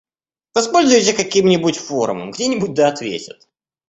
Воспользуйся каким-нибудь форумом. Где-нибудь, да ответят.